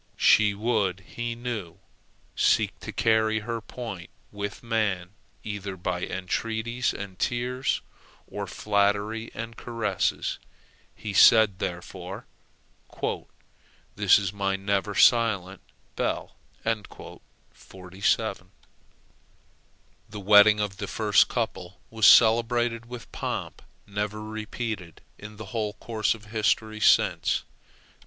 She would, he knew, seek to carry her point with man either by entreaties and tears, or flattery and caresses. He said, therefore, "This is my never silent bell!" The wedding of the first couple was celebrated with pomp never repeated in the whole course of history since.